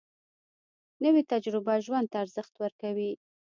نوې تجربه ژوند ته ارزښت ورکوي